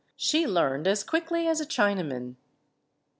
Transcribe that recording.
She learned as quickly as a Chinaman.